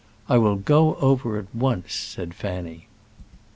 "I will go over at once," said Fanny.